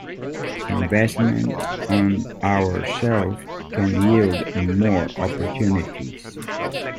Investment on our self can yield more opportunities.